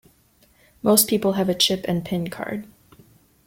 Most people have a chip and pin card.